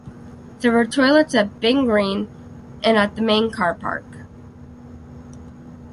There are toilets at Binn Green and at the main car park.